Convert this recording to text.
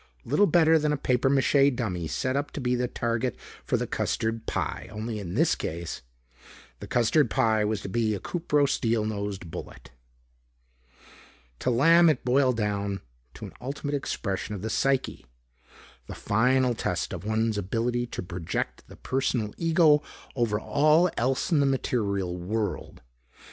Little better than a papier mache dummy set up to be a target for the custard pie. Only, in this case, the custard pie was to be a cupro steel nosed bullet. To Lamb, it boiled down to an ultimate expression of the psyche. The final test of one's ability to project the personal ego over all else in the material world.